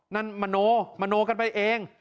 นั่นมโนมโนกันไปเอง